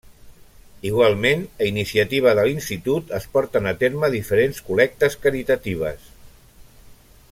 Igualment a iniciativa de l'institut es porten a terme diferents col·lectes caritatives.